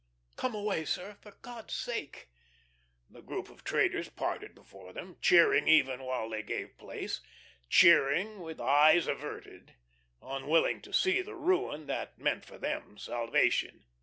"Come away, sir for God's sake!" The group of traders parted before them, cheering even while they gave place, cheering with eyes averted, unwilling to see the ruin that meant for them salvation.